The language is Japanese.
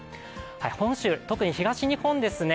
本州、特に東日本ですね。